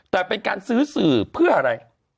แต่เป็นการซื้อสื่อเพื่ออะไร